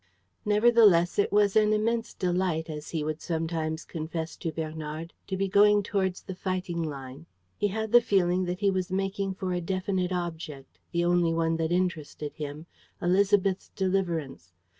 Nevertheless, it was an immense delight, as he would sometimes confess to Bernard, to be going towards the fighting line. He had the feeling that he was making for a definite object, the only one that interested him: Élisabeth's deliverance.